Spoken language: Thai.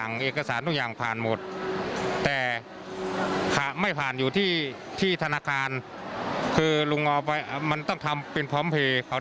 นี่ไงหลายคนเจอปัญหา